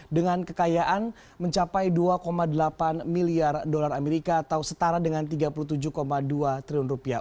dengan kekayaan mencapai dua delapan miliar dolar amerika atau setara dengan tiga puluh tujuh dua triliun rupiah